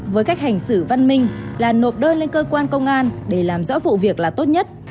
với cách hành xử văn minh là nộp đơn lên cơ quan công an để làm rõ vụ việc là tốt nhất